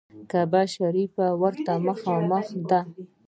کعبه شریفه ورته مخامخ ده.